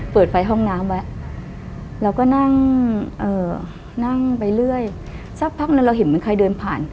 เปิดไฟห้องน้ำไว้เราก็นั่งนั่งไปเรื่อยสักพักหนึ่งเราเห็นเหมือนใครเดินผ่าน